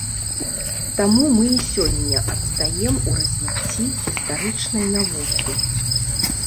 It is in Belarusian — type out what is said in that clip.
Таму мы і сёння адстаём у развіцці гістарычнай навукі.